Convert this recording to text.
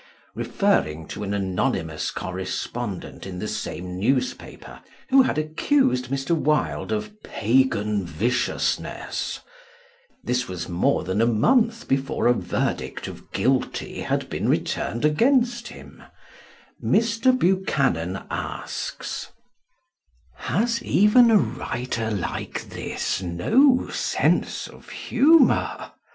Referring to an anonymous correspondent in the same newspaper who had accused Mr. Wilde of "pagan viciousness" this was more than a month before a verdict of "Guilty" had been returned against him Mr. Buchanan asks, "Has even a writer like this no sense of humour?